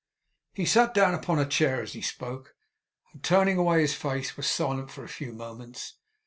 He sat down upon a chair as he spoke, and turning away his face, was silent for a few moments.